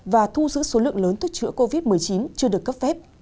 và thu giữ số lượng lớn thuốc chữa covid một mươi chín chưa được cấp phép